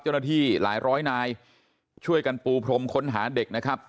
เจ้าหน้าที่หลายร้อยนายช่วยกันปูพรมค้นหาเด็กนะครับ